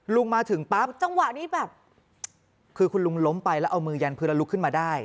มาถึงปั๊บจังหวะนี้แบบคือคุณลุงล้มไปแล้วเอามือยันพื้นแล้วลุกขึ้นมาได้